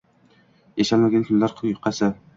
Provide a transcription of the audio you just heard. yashalmagan kunlar quyqasi